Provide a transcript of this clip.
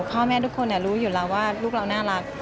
พ่อแม่ทุกคนรู้อยู่แล้วว่าลูกเราน่ารัก